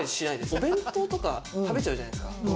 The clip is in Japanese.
お弁当とか食べちゃうじゃないですか。